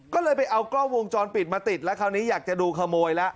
ก็เลยไปเอากล้องวงจรปิดมาติดแล้วคราวนี้อยากจะดูขโมยแล้ว